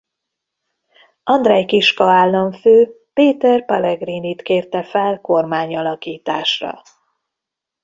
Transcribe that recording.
Andrej Kiska államfő Peter Pellegrinit kérte fel kormányalakításra.